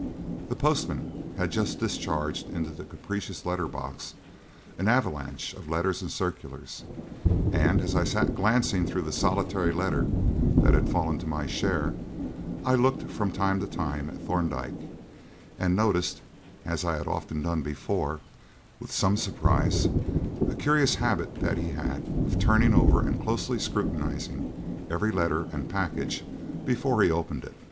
The postman had just discharged into the capacious letter box an avalanche of letters and circulars, and as I sat glancing through the solitary letter that had fallen to my share, I looked from time to time at Thorndyke and noticed, as I had often done before, with some surprise, a curious habit that he had of turning over and closely scrutinising every letter and package before he opened it.